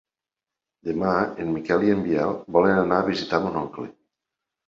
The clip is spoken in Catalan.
Demà en Miquel i en Biel volen anar a visitar mon oncle.